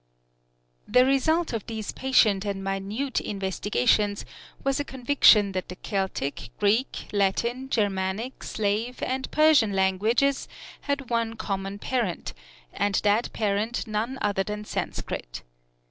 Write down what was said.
The result of these patient and minute investigations was a conviction that the Celtic, Greek, Latin, Germanic, Slave, and Persian languages had one common parent, and that parent none other than Sanskrit.